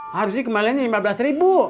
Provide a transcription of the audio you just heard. harusnya kembaliannya rp lima belas